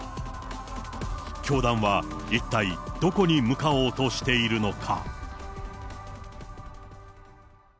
教団は一体、どこに向かおうとしているのか。